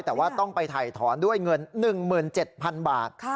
แต่ว่าต้องไปถ่ายถอนด้วยเงิน๑๗๐๐๐บาท